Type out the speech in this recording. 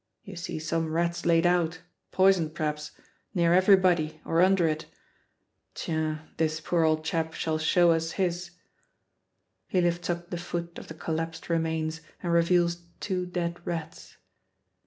You see some rats laid out poisoned, p'raps near every body or under it. Tiens, this poor old chap shall show us his." He lifts up the foot of the collapsed remains and reveals two dead rats.